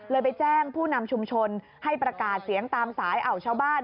ไปแจ้งผู้นำชุมชนให้ประกาศเสียงตามสายชาวบ้าน